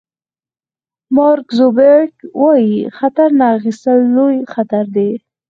مارک زوګربرګ وایي خطر نه اخیستل لوی خطر دی.